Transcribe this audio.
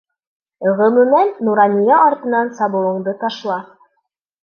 Ғөмүмән, Нурания артынан сабыуыңды ташла...